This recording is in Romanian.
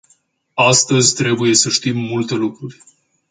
Astăzi trebuie să știm multe lucruri.